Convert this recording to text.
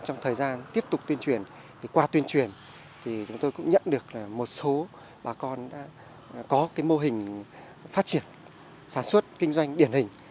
trong thời gian tiếp tục tuyên truyền thì qua tuyên truyền thì chúng tôi cũng nhận được là một số bà con đã có cái mô hình phát triển sản xuất kinh doanh điển hình